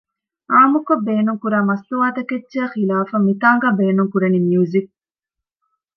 ޢާއްމުކޮށް ބޭނުންކުރާ މަސްތުވާ ތަކެއްޗާ ޚިލާފަށް މިތާނގައި ބޭނުން ކުރަނީ މިޔުޒިއް